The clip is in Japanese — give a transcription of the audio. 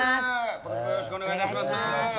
今年もよろしくお願いいたします。